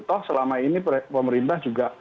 toh selama ini pemerintah juga